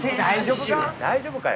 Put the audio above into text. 大丈夫か？